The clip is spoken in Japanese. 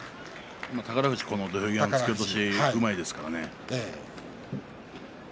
宝富士、土俵際の突き落とし、うまいですからね。